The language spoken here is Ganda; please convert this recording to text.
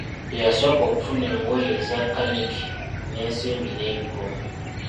Ye yasooka okufuna engoye eza kaniki n'ensimbi n'ebikomo.